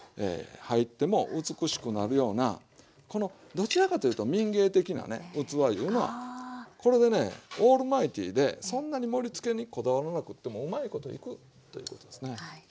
入っても美しくなるようなどちらかというと民芸的な器いうのはこれでねオールマイティーでそんなに盛りつけにこだわらなくってもうまいこといくということですね。